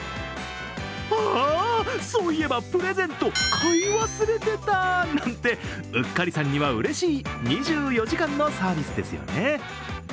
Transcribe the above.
あっ、そういえばプレゼント買い忘れてた！なんてうっかりさんにはうれしい２４時間のサービスですよね。